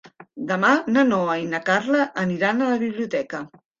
Demà na Noa i na Carla aniran a la biblioteca.